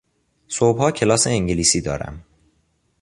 صبحها کلاس انگلیسی دارم.